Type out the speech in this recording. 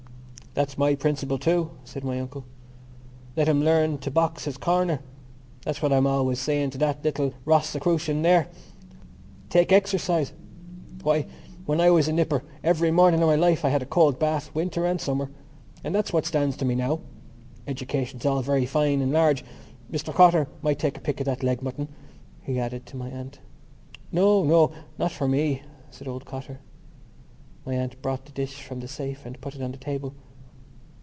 "That's my principle, too," said my uncle. "Let him learn to box his corner. That's what I'm always saying to that Rosicrucian there: take exercise. Why, when I was a nipper every morning of my life I had a cold bath, winter and summer. And that's what stands to me now. Education is all very fine and large.... Mr Cotter might take a pick of that leg mutton," he added to my aunt. "No, no, not for me," said old Cotter. My aunt brought the dish from the safe and put it on the table.